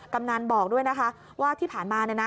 กำนันบอกด้วยนะคะว่าที่ผ่านมาเนี่ยนะ